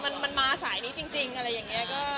ถ้ามันมาสายนี้จริง